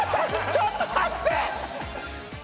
ちょっと待って！